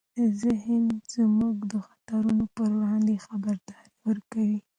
ذهن موږ د خطرونو پر وړاندې خبرداری ورکوي.